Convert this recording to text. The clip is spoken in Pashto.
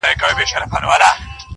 پر مردارو وي راټول پر لویو لارو!